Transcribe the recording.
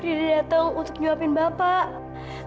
rida datang untuk nyuapin bapak